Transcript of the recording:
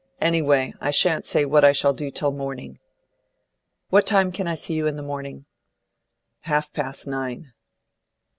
"Anyway, I shan't say what I shall do till morning." "What time can I see you in the morning?" "Half past nine."